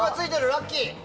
ラッキー！